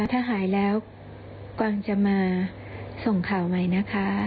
ถ้าหายแล้วกวางจะมาส่งข่าวไว้นะคะ